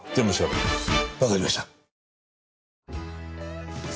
わかりました。